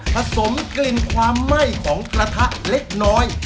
สมกลิ่นความไหม้ของกระทะเล็กน้อย